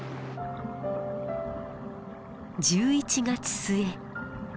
１１月末。